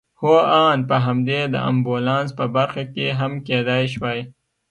هو آن په همدې د امبولانس په برخه کې هم کېدای شوای.